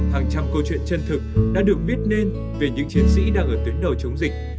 hàng trăm câu chuyện chân thực đã được biết nên về những chiến sĩ đang ở tuyến đầu chống dịch